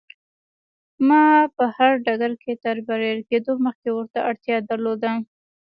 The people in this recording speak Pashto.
ما په هر ډګر کې تر بريالي کېدو مخکې ورته اړتيا درلوده.